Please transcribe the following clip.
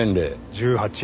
１８。